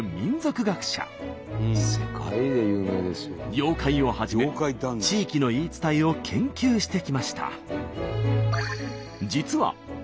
妖怪をはじめ地域の言い伝えを研究してきました。